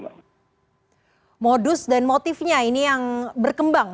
modus dan motifnya ini yang berkembang